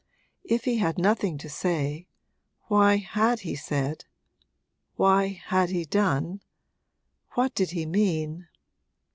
If he had nothing to say, why had he said, why had he done, what did he mean